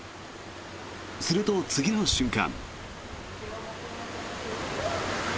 すると、次の瞬間。